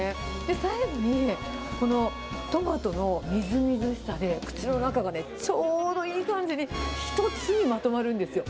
最後にこのトマトのみずみずしさで、口の中がね、ちょうどいい感じに一つにまとまるんですよ。